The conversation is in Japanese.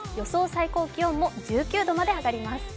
最高気温も１９度まで上がります。